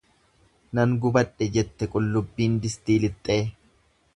Nan gubadhe jette qullubbiin distii lixxee.